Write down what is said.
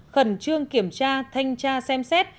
khẩn trương kiểm tra thanh tra xem xét